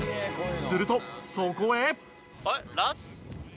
するとそこへ。